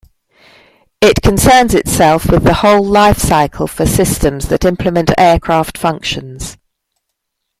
It concerns itself with the whole life-cycle for systems that implement aircraft functions.